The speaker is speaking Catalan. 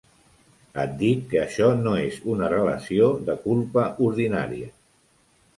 Et dic que això no és una relació de culpa ordinària.